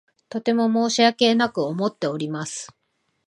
とても申し訳なく思っております。